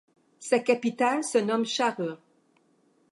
Sa capitale se nomme Sharur.